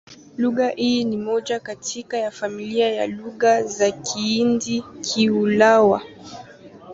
Lugha hii ni moja kati ya familia ya Lugha za Kihindi-Kiulaya.